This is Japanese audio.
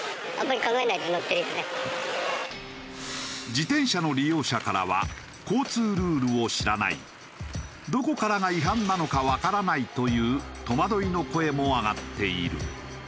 自転車の利用者からは「交通ルールを知らない」「どこからが違反なのかわからない」という戸惑いの声も上がっている。